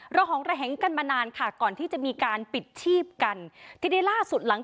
หองระแหงกันมานานค่ะก่อนที่จะมีการปิดชีพกันทีนี้ล่าสุดหลัง